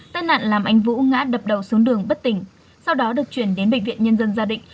tai nạn làm anh vũ ngã đập đầu xuống đường bất tỉnh sau đó được chuyển đến bệnh viện nhân dân gia định